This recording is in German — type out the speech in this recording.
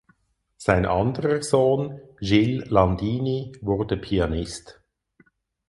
Sein anderer Sohn Gilles Landini wurde Pianist.